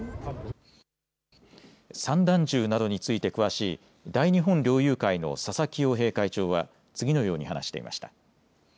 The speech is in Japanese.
散弾銃などについて詳しい大日本猟友会の佐々木洋平会長は次のように話していました。